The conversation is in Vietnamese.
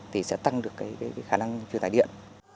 thì sẽ tăng được khả năng phương tải điện